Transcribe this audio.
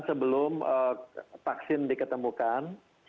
sebelum vaksin diketemukan